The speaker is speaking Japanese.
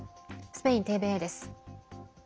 スペインＴＶＥです。